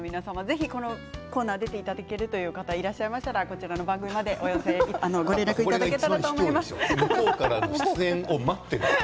ぜひこのコーナー出ていただけるという方がいらっしゃいましたらこちらの番組までご連絡いただけたらと思います。